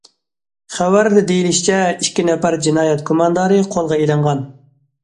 خەۋەردە دېيىلىشىچە، ئىككى نەپەر جىنايەت گۇماندارى قولغا ئېلىنغان.